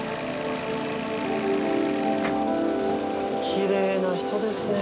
きれいな人ですね。